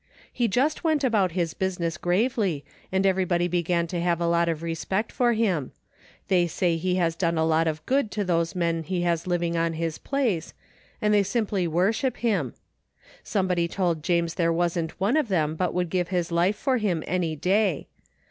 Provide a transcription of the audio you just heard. He just went about his business gravely, and everybody began to have a lot of respect for him. They say he has done a lot of good to those men he has living on his place, and they simply wor ship him. Somebody told James there wasn't one of them but would give his life for him any day.